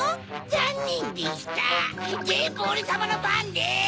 ざんねんでしたぜんぶオレさまのパンです！